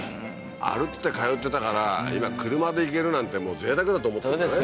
歩いて通ってたから今車で行けるなんてもうぜいたくだと思ってんですね